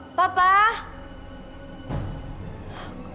sepi banget sih